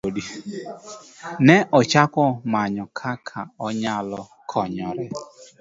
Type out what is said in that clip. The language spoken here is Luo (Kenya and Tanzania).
Ne ochako manyo kaka onyalo konyore.